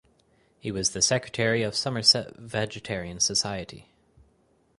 He was Secretary of the Somerset Vegetarian Society.